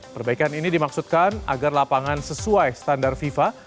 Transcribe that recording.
perbaikan ini dimaksudkan agar lapangan sesuai standar fifa